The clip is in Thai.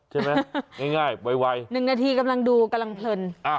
ใช่ไหมง่ายไว๑นาทีกำลังดูกำลังเพลิน